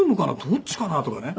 どっちかな？とかね。